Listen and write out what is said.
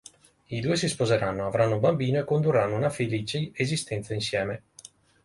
I due si sposeranno, avranno un bambino e condurranno una felice esistenza insieme.